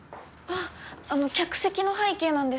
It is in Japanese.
あの客席の背景なんですけど。